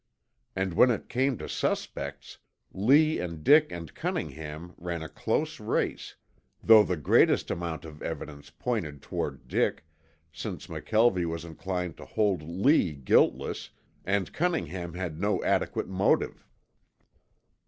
And when it came to suspects, Lee and Dick and Cunningham ran a close race, though the greatest amount of evidence pointed toward Dick, since McKelvie was inclined to hold Lee guiltless, and Cunningham had no adequate motive.